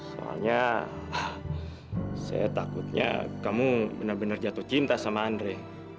soalnya saya takutnya kamu benar benar jatuh cinta sama andre